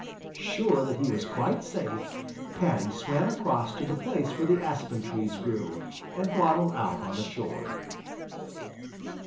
Sure that he was quite safe, Paddy swam across to the place where the aspen trees grew, and waddled out on the shore.